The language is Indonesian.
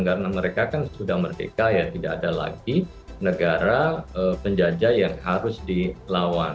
karena mereka kan sudah merdeka ya tidak ada lagi negara penjajah yang harus dilawan